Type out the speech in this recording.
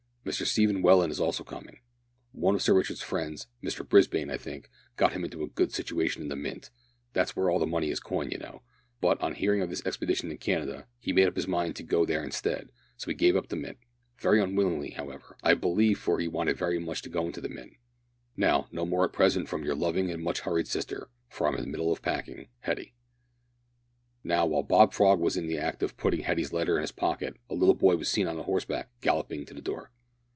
Mr Stephen Welland is also coming. One of Sir Richard's friends, Mr Brisbane I think, got him a good situation in the Mint that's where all the money is coined, you know but, on hearing of this expedition to Canada, he made up his mind to go there instead; so he gave up the Mint very unwillingly, however, I believe, for he wanted very much to go into the Mint. Now, no more at present from your loving and much hurried sister, (for I'm in the middle of packing), Hetty." Now, while Bob Frog was in the act of putting Hetty's letter in his pocket, a little boy was seen on horseback, galloping up to the door.